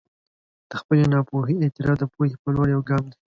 د خپلې ناپوهي اعتراف د پوهې په لور یو ګام دی.